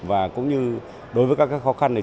và cũng như đối với các khó khăn này